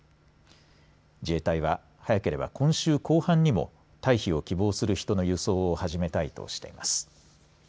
自衛隊は早ければ今週、後半にも退避を希望する人の輸送を始めたいとしています。